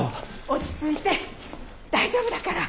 落ち着いて大丈夫だから。